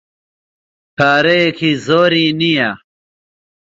پارەیەکی زۆری نییە.